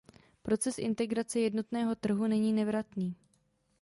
Proces integrace jednotného trhu není nevratný.